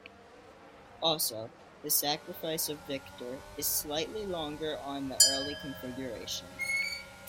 Also, "The Sacrifice of Victor" is slightly longer on the early configuration.